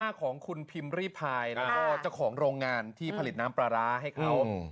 หน้าของคุณพิมพ์รีพายแล้วก็เจ้าของโรงงานที่ผลิตน้ำปลาร้าให้เขา